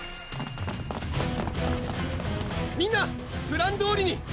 みんなプランどおりに！